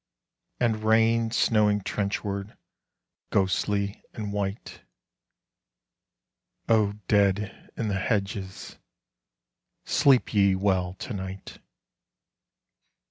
And rain snowing trenchward ghostly and white. O dead in the hedges, sleep ye well to night!